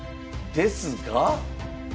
ですが？